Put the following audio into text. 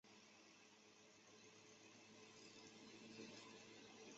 对拳支援者